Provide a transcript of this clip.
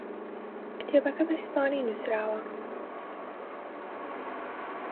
کتێبەکە بە ئیسپانی نووسراوە.